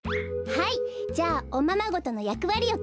はいじゃあおままごとのやくわりをきめるわね。